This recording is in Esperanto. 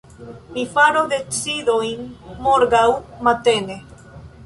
Mi faros decidojn morgaŭ matene.